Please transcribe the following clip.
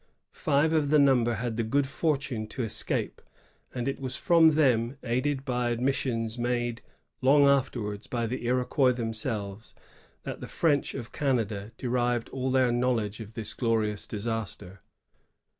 Five of the number had the good fortune to escape; and it was from them, aided by admissions made long afterwards by the Iroquois themselves, that the French of Canada derived all their knowledge of this glorious disaster.